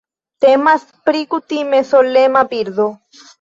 Temas pri kutime solema birdo.